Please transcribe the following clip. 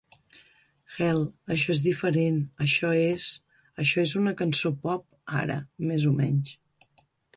Hell, això és diferent, això és això és una cançó pop ara, més o menys.